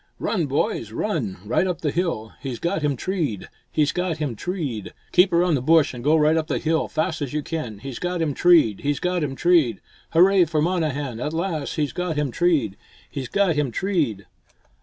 "Run, boys, run! right up the hill! He's got him treed, he's got him treed! Keep around the bush and go right up the hill, fast as you can. He's got him treed, he's got him treed! Hurrah for Monnehan, at last! He's got him treed, he's got him treed!"